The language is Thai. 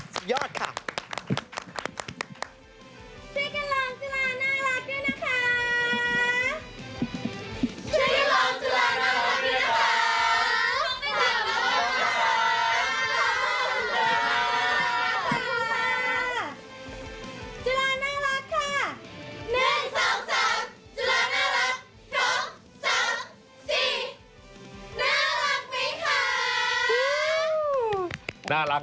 คึกคักเวลาลงเล่น